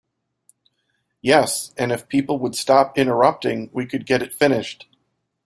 Yes, and if people would stop interrupting we could get it finished.